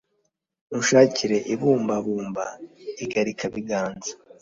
unshakire ibumbabumba igarikabiganza.